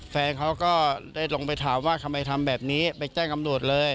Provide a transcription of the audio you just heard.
แฟนเขาก็ได้ลงไปถามว่าทำไมทำแบบนี้ไปแจ้งตำรวจเลย